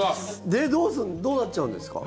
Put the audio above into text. でどうなっちゃうんですか？